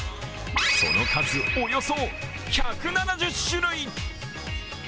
その数、およそ１７０種類。